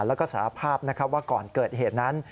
แล้วก็สารภาพว่าก่อนเกิดเหตุนั้น